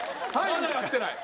まだやってない。